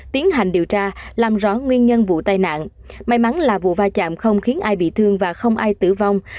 tiến hành điều tra làm rõ nguyên nhân vụ tai nạn may mắn là vụ va chạm không khiến ai bị thương và không ai tử vong